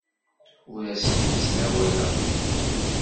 Ur asen-d-ttnawaleɣ.